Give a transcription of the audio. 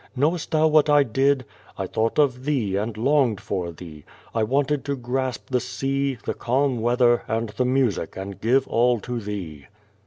Knowest thou what I did? I thought of thee and longed for thee. I wanted to grasp the sea, the calm weather, and the music and give all to thee.